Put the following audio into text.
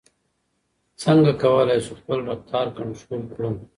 څنګه کولای شو خپل رفتار کنټرول کړو؟